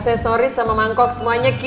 aseksoris sama mangkok semuanya kiki